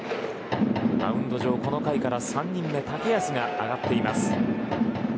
マウンド上はこの回から３人目、竹安が上がっています。